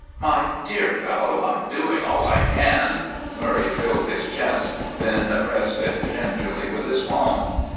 "My dear fellow, I'm doing all I can." Murray filled his chest, then pressed it gingerly with his palm.